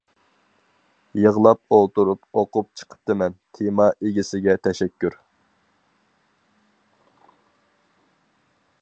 يىغلاپ ئولتۇرۇپ ئوقۇپ چىقىپتىمەن، تېما ئىگىسىگە تەشەككۈر!